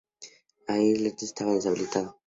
El islote está deshabitado.